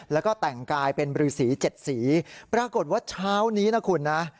แล้วก็แต่งกายเป็นบรือสีเจ็ดสีปรากฏว่าเช้านี้นะคุณนะ